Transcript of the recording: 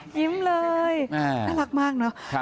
ยิ้มเลยน่ารักมากเนอะ